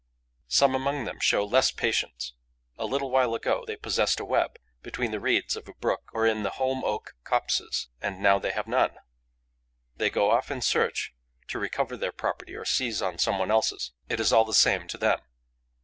Some among them show less patience. A little while ago, they possessed a web, between the reeds of a brook or in the holm oak copses; and now they have none. They go off in search, to recover their property or seize on some one else's: it is all the same to them.